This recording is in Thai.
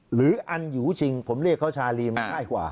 หรืออันยูชิงผมเรียกเขาชาลีนมาใกล้ค่ว่า